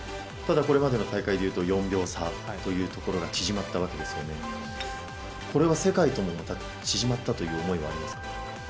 ただ、これまでの大会でいうと４秒差というところが縮まったわけですがこれは世界ともまた縮まったという思いはありますか。